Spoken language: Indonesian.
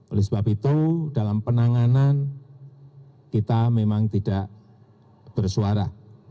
oleh sebab itu dalam penanganan kita memang tidak bersuara